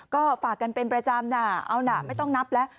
ก็ฝากกันเป็นประจำนะเอานะไม่ต้องนับแล้ว